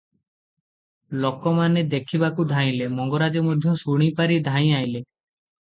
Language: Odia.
ଲୋକମାନେ ଦେଖିବାକୁ ଧାଇଁଲେ, ମଙ୍ଗରାଜେ ମଧ୍ୟ ଶୁଣିପାରି ଧାଇଁଅଇଲେ ।